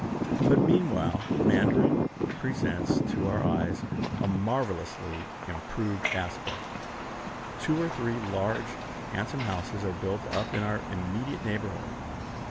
But, meanwhile, Mandarin presents to our eyes a marvellously improved aspect. Two or three large, handsome houses are built up in our immediate neighborhood.